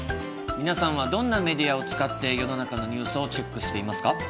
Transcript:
皆さんはどんなメディアを使って世の中のニュースをチェックしていますか？